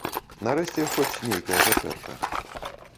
Нарэшце хоць нейкая зачэпка.